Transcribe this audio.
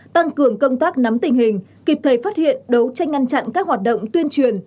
tăng cường công tác nắm tình hình kịp thời phát hiện đấu tranh ngăn chặn các hoạt động tuyên truyền